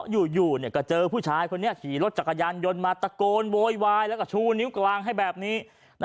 อยู่ก็เจอผู้ชายคนนี้ขี่รถจักรยานยนต์มาตะโกนโวยวายแล้วก็ชูนิ้วกลางให้แบบนี้